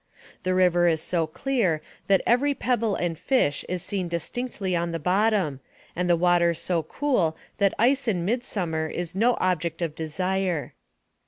The river is so clear that every pebble and fish is seen distinctly on the bottom, and the water so cool that ice in midsummer is no object of desire.